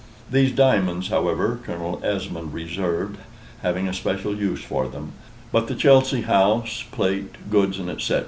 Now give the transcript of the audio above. These diamonds, however, Colonel Esmond reserved, having a special use for them: but the Chelsey house, plate, goods, &c.